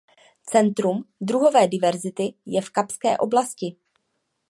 Centrum druhové diverzity je v Kapské oblasti.